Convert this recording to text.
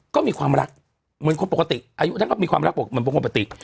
ก็มีความรักเหมือนคนปกติอายุท่านก็มีความรักเหมือนปกติ